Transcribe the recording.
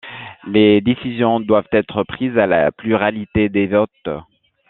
Les décisions doivent être prises à la pluralité des votes.